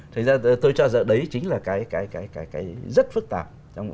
thực ra tôi cho rằng đấy chính là cái rất phức tạp